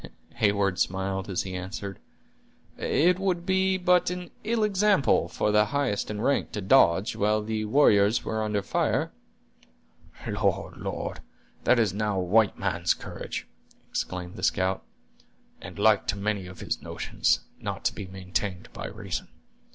Heyward smiled, as he answered: "It would be but an ill example for the highest in rank to dodge, while the warriors were under fire." "Lord! Lord! That is now a white man's courage!" exclaimed the scout; "and like to many of his notions, not to be maintained by reason.